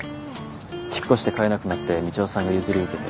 引っ越して飼えなくなってみちおさんが譲り受けて。